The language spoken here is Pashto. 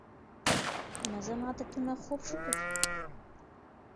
منظم عادتونه خوب ښه کوي.